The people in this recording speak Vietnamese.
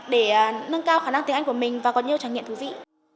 để nâng cao khả năng tiếng anh của mình và có nhiều trải nghiệm thú vị